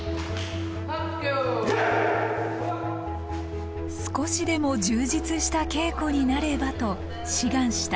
「少しでも充実した稽古になれば」と志願した。